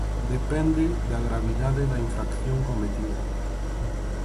Depende da gravidade da infracción cometida.